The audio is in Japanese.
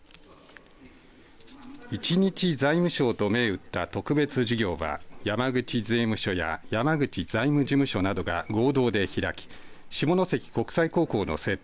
一日財務省と銘打った特別授業は山口税務署や山口財務事務所などが合同で開き下関国際高校の生徒